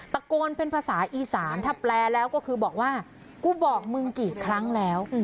ตะโกนเป็นภาษาอีสานถ้าแปลแล้วก็คือบอกว่ากูบอกมึงกี่ครั้งแล้ว